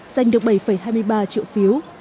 giành được bảy hai mươi ba triệu phiếu